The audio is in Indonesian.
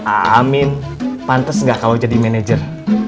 amin pantes nggak kalau jadi manajer